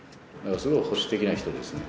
すごい保守的な人ですね。